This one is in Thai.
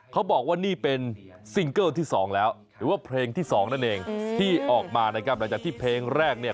เขาบอกว่านี่เป็นซิงเกิลที่สองแล้วหรือว่าเพลงที่สองนั่นเองที่ออกมานะครับหลังจากที่เพลงแรกเนี่ย